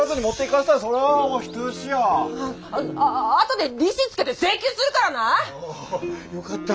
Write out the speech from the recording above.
ああとで利子つけて請求するからな⁉よかった。